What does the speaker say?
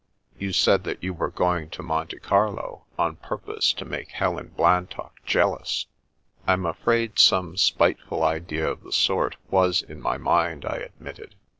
You said that you were going to Monte Carlo, on purpose to make Helen Blantock jealous/' " I'm afraid some spiteful idea of the sort was in my mind," I admitted.